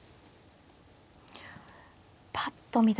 パッと見た感じ